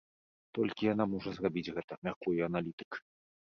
Толькі яна можа зрабіць гэта, мяркуе аналітык.